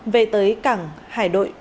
về tới cảng hải đội ba trăm linh một